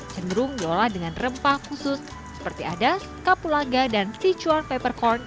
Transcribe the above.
cenderung diolah dengan rempah khusus seperti adas kapulaga dan sichuan peppercorn